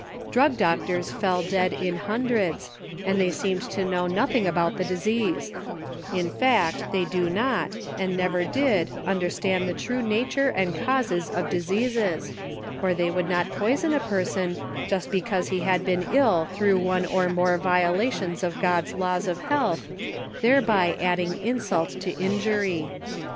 Drug doctors fell dead in hundreds, and they seemed to know nothing about the disease ; in fact, they do not, and never did, understand the true nature and causes of dis eases, or they would not poison a person just because he had been ill through one or more violations of God's laws of health, thereby adding insult to injury.